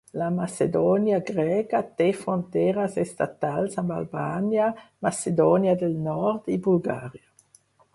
La Macedònia grega té fronteres estatals amb Albània, Macedònia del Nord i Bulgària.